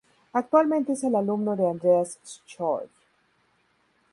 Actualmente es alumno de Andreas Scholl.